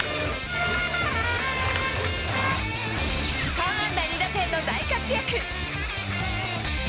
３安打２打点の大活躍。